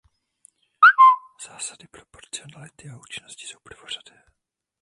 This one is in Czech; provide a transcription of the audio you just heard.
Zásady proporcionality a účinnosti jsou prvořadé.